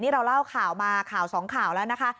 นี่เราเล่าข่าวมาข่าวสองข่าวแล้วนะคะ